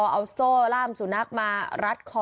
เอาโซ่ล่ามสุนัขมารัดคอ